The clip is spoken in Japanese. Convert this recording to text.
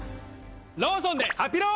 ローソンでハピろー！